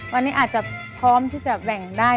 วันนี้อาจจะพร้อมที่จะแบ่งได้